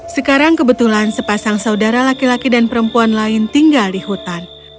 sekarang kebetulan sepasang saudara laki laki dan perempuan lain tinggal di hutan